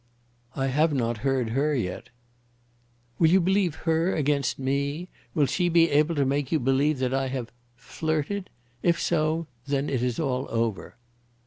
"I have not heard her yet." "Will you believe her against me? Will she be able to make you believe that I have flirted? If so, then it is all over."